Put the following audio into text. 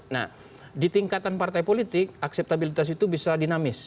nah di tingkatan partai politik akseptabilitas itu bisa dinamis